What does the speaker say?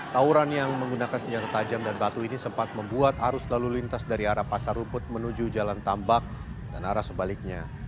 tawuran yang menggunakan senjata tajam dan batu ini sempat membuat arus lalu lintas dari arah pasar rumput menuju jalan tambak dan arah sebaliknya